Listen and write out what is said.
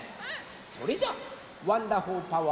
それじゃあ「ワンダホー☆パワー」